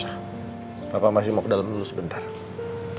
ayo k nyalayikan len un mes healing design ber personal